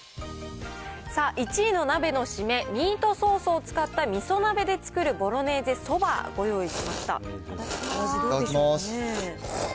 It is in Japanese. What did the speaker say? さあ、１位の鍋の締め、ミートソースを使ったみそ鍋で作るボロネーゼそいただきます。